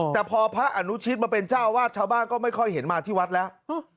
แต่พอพระอนุชิตมาเป็นเจ้าอาวาสชาวบ้านก็ไม่ค่อยเห็นมาที่วัดแล้ว